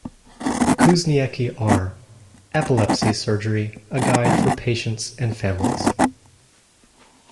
Kuzniecky R. "Epilepsy Surgery: A guide for Patients and Families".